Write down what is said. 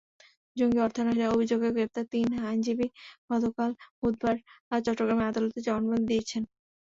জঙ্গি অর্থায়নের অভিযোগে গ্রেপ্তার তিন আইনজীবী গতকাল বুধবার চট্টগ্রামের আদালতে জবানবন্দি দিয়েছেন।